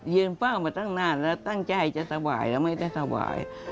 เฝ้ามาตั้งนานแล้วตั้งใจจะถวายแล้วไม่ได้สบาย